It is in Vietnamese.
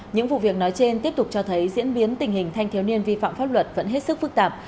những vụ việc nói trên tiếp tục cho thấy diễn biến tình hình thanh thiếu niên vi phạm pháp luật vẫn hết sức phức tạp